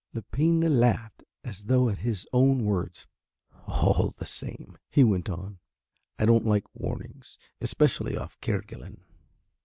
Lepine laughed as though at his own words. "All the same," he went on, "I don't like warnings, especially off Kerguelen."